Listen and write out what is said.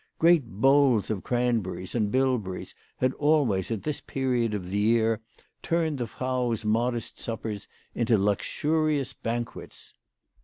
Great bowls of cranberries and bilberries had always at this period of the year turned the Frau's modest suppers into luxurious banquets.